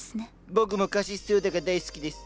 僕もカシスソーダが大好きです。